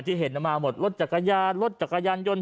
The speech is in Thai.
จิลมาหมดรถจักรยานรถจักรยานยนท์